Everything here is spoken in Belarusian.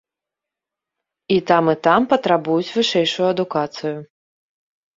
І там, і там патрабуюць вышэйшую адукацыю.